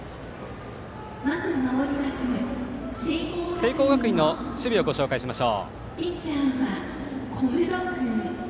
聖光学院の守備をご紹介します。